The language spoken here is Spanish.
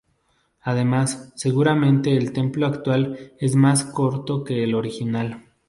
Además, seguramente el templo actual es más corto que el original.